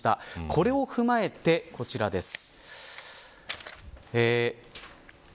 これを踏まえて、こちらです。